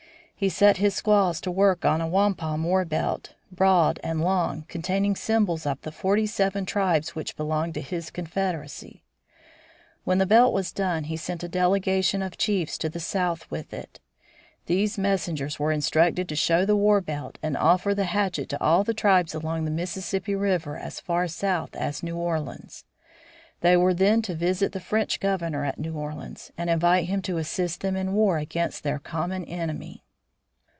He set his squaws to work on a wampum war belt, broad and long, containing symbols of the forty seven tribes which belonged to his confederacy. When the belt was done he sent a delegation of chiefs to the south with it. These messengers were instructed to show the war belt and offer the hatchet to all the tribes along the Mississippi River as far south as New Orleans. They were then to visit the French Governor at New Orleans and invite him to assist them in war against their common enemy.